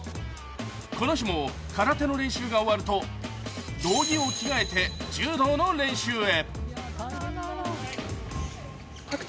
この日も空手の練習が終わると道着を着替えて、柔道の練習へ。